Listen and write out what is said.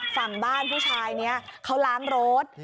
ฝั่งบ้านผู้ชายนี้เขาล้างรถ